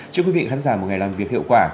chúc quý vị khán giả một ngày làm việc hiệu quả